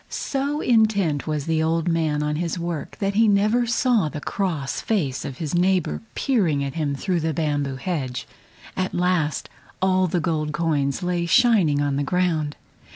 So intent was the old man on his work that he never saw the cross face of his neighbor peering at him through the bamboo hedge. At last all the gold coins lay shining on the ground.